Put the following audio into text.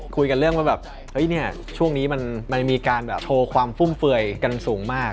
คุยกันเรื่องว่าวันนี้มีการโชว์ความฟุ่มเฟื่อยกำสูงมาก